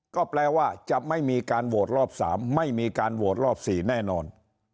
ก็แปลว่าจะไม่มีการโหวตรอบ๓ไม่มีการโหวตรอบ๔แน่นอน